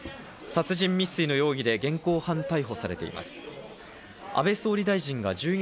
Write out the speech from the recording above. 殺人未遂の容疑で現行犯逮捕されています。